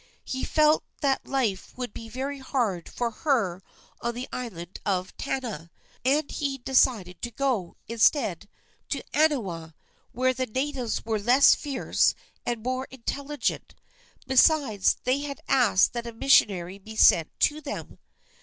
He felt that life would be very hard for her on the island of Tanna, and he decided to go, instead, to Aniwa, where the natives were less fierce and more intelligent. Besides, they had asked that a missionary be sent to them.